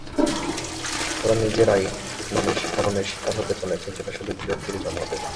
ওরা নিজেরাই নিজেদের ধরনের শিকার হতে চলেছে, যেটা শুধু বিরক্তিরই জন্ম দেবে।